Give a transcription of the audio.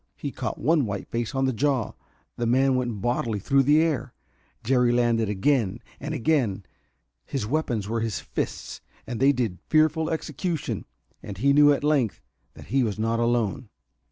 He caught one white face on the jaw; the man went bodily through the air. Jerry landed again and again. His weapons were his fists, and they did fearful execution. And he knew, at length, that he was not alone.